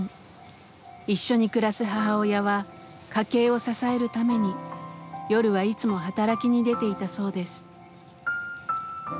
一緒に暮らす母親は家計を支えるために夜はいつも働きに出ていたそうです。